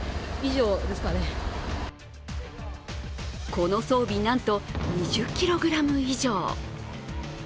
この装備、なんと２０ｋｇ以上。